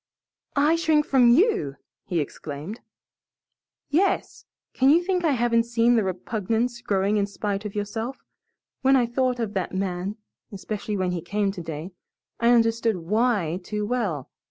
"I shrink from YOU!" he exclaimed. "Yes. Can you think I haven't seen the repugnance growing in spite of yourself? When I thought of that man especially when he came today I understood WHY too well.